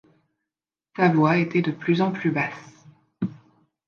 Sa voix était de plus en plus basse.